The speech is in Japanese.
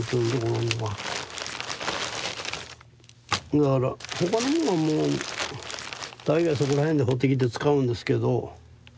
だから他のもんはもう大概そこら辺で掘ってきて使うんですけど。